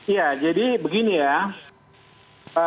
ya jadi begini ya